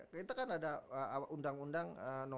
kita kan ada undang undang